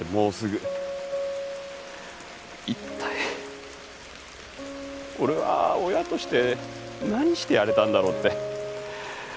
一体俺は親として何してやれたんだろうって。